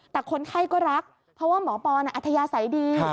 แต่คนไข้ก็รักเพราะว่าหมอปอนอัธยาศัยดี